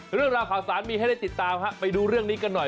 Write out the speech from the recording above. เรื่องราวข่าวสารมีให้ได้ติดตามไปดูเรื่องนี้กันหน่อย